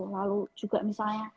lalu juga misalnya